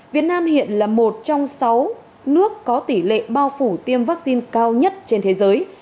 việt nam hiện là một trong sáu nước có tỷ lệ bao phủ tiêm vaccine cao nhất trên thế giới